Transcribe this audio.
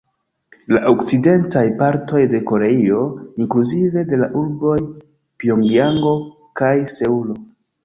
La okcidentaj partoj de Koreio, inkluzive de la urboj Pjongjango kaj Seulo.